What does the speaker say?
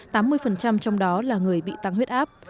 tám mươi trong đó là người bị tăng huyết áp